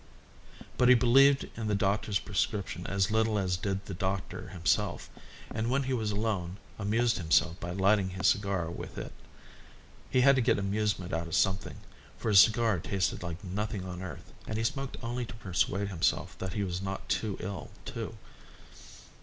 But he believed in the doctor's prescription as little as did the doctor himself, and when he was alone amused himself by lighting his cigar with it. He had to get amusement out of something, for his cigar tasted like nothing on earth, and he smoked only to persuade himself that he was not too ill to.